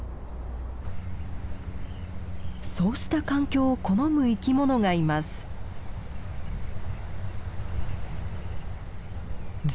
そうした環境を好む生き物がいます。